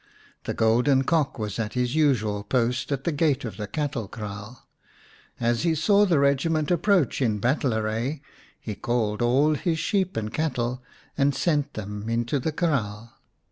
The golden Cock was at his usual post at the gate of the cattle kraal. As he saw the regiment approach in battle array he called all his sheep and cattle, and sent them into the kraal.